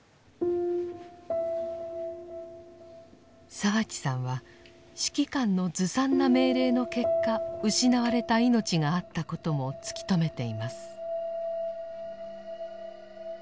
澤地さんは指揮官のずさんな命令の結果失われた命があったことも突き止めています。